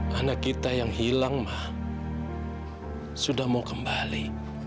mama anak kita yang hilang ma sudah mau kembali